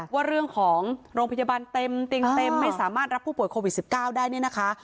ว่าเรื่องของโรงพยาบาลเต็มเตียงเต็มไม่สามารถรับผู้ป่วยโควิด๑๙ได้เนี่ยนะคะ